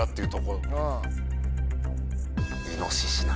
イノシシな。